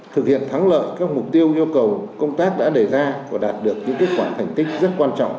thực hiện thắng lợi các mục tiêu yêu cầu công tác đã đề ra và đạt được những kết quả thành tích rất quan trọng